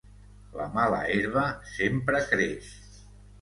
La mala herba sempre creix.